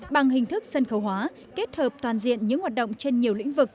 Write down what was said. bằng hình thức sân khấu hóa kết hợp toàn diện những hoạt động trên nhiều lĩnh vực